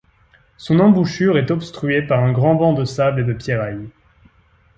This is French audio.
Son embouchure est obstruée par un grand banc de sable et de pierraille.